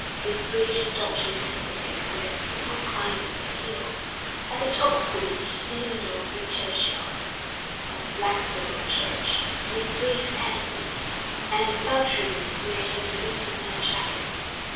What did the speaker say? Miss Reed stopped a little to take breath before climbing the hill, at the top of which, in the middle of the churchyard, was Blackstable Church. Miss Reed panted, and the sultriness made her loosen her jacket.